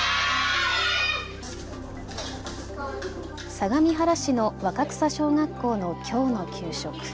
相模原市の若草小学校のきょうの給食。